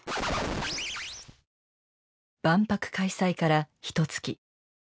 万博開催からひとつき。